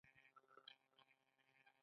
کاملا هاریس هندي ریښې لري.